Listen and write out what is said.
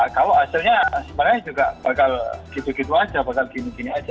kalau hasilnya sebenarnya juga bakal gitu gitu aja bakal gini gini aja